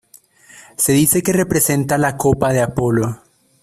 Se dice que representa la copa de Apolo.